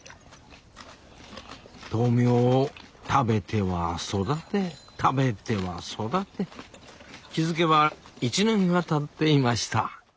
豆苗を食べては育て食べては育て気付けば１年がたっていました